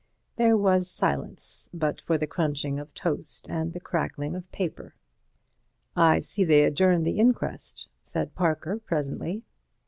There was silence, but for the crunching of toast and the crackling of paper. "I see they adjourned the inquest," said Parker presently.